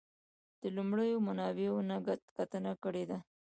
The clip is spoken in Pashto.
د لومړنیو منابعو ته کتنه کړې ده.